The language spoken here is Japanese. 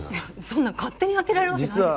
そんな勝手に開けられるわけないでしょ